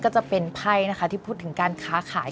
ก็จะเป็นไพ่นะคะที่พูดถึงการค้าขาย